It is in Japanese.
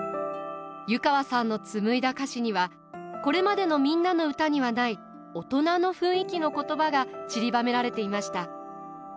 湯川さんの紡いだ歌詞にはこれまでの「みんなのうた」にはない大人の雰囲気の言葉が散りばめられていました。